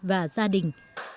và gia đình